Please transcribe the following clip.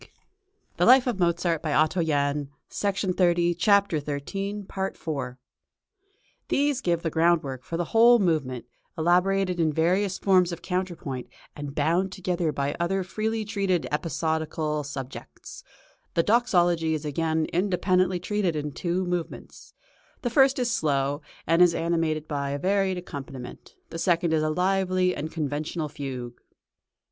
} (276) is introduced by the tenor, the bass immediately interposing a counter subject: [See Page Image] These give the groundwork of the whole movement, elaborated in various forms of counterpoint, and bound together by other freely treated episodical subjects. The Doxology is again independently treated in two movements. The first is slow, and is animated by a varied accompaniment; the second is a lively and conventional fugue.